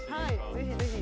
ぜひぜひ。